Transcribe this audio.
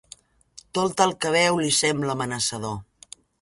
Tot el que veu li sembla amenaçador.